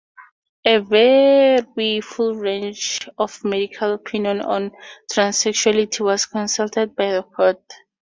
A very full range of medical opinion on transsexuality was consulted by the Court.